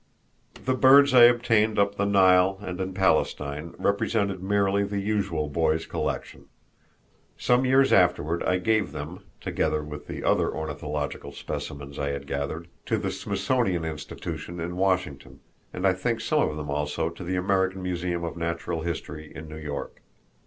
The birds I obtained up the Nile and in Palestine represented merely the usual boy's collection. Some years afterward I gave them, together with the other ornithological specimens I had gathered, to the Smithsonian Institution in Washington, and I think some of them also to the American Museum of Natural History in New York.